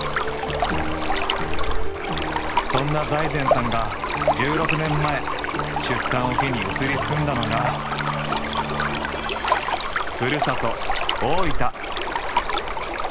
そんな財前さんが１６年前出産を機に移り住んだのがふるさと大分。